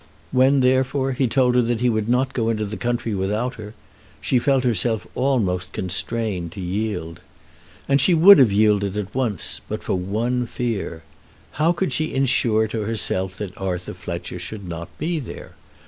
When, therefore, he told her that he would not go into the country without her, she felt herself almost constrained to yield. And she would have yielded at once but for one fear. How could she insure to herself that Arthur Fletcher should not be there?